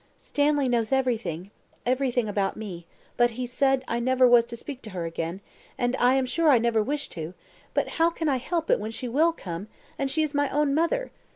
"Stanley knows everything everything about me but he said I never was to speak to her again; and I am sure I never wished to; but how can I help it when she will come and she is my own mother?